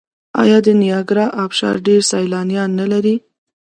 آیا د نیاګرا ابشار ډیر سیلانیان نلري؟